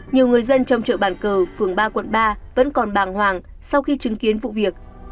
nhiều người dân trong chợ bản cờ phường ba quận ba vẫn còn bàng hoàng sau khi chứng kiến vụ việc